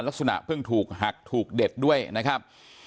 ลักษณะเพิ่งถูกหักถูกเด็ดด้วยนะครับ